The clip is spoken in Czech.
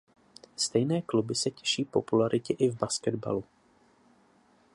Stejné kluby se těší popularitě i v basketbalu.